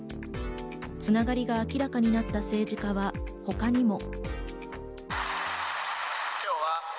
つながりが明らかになった政治家は他にも。